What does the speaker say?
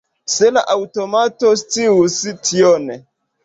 Se la aŭtomato scius tion!